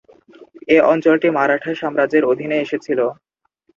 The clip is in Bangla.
এ অঞ্চলটি মারাঠা সাম্রাজ্যের অধীনে এসেছিল।